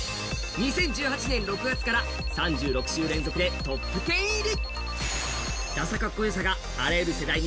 ２０１８年６月から３６週連続でトップ１０入り。